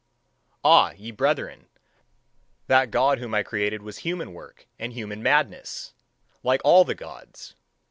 Ah, ye brethren, that God whom I created was human work and human madness, like all the Gods!